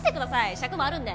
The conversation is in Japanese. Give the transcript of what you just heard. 尺もあるんで。